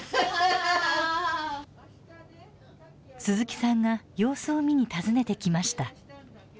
鈴木さんが様子を見に訪ねてきました。